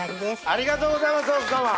ありがとうございます奥さま。